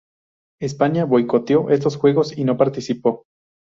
España boicoteó estos Juegos y no participó.